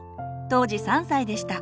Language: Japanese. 当時３歳でした。